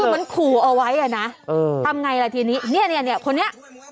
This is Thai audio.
คือมันขู่เอาไว้อ่ะนะเออทำไงล่ะทีนี้เนี่ยคนนี้